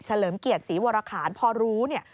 เฉลิมเกียรติศรีวราคารพอรู้